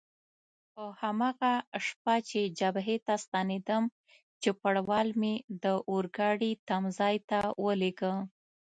په هماغه شپه چې جبهې ته ستنېدم، چوپړوال مې د اورګاډي تمځای ته ولېږه.